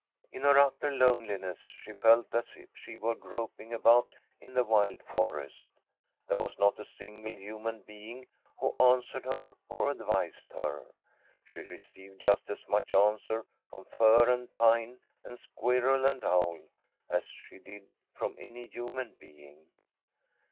In her utter loneliness she felt as if she were groping about in the wild forest. There was not a single human being who answered her or ad vised her. She received just as much answer from fir and pine, and squirrel and owl, as she did from any human being.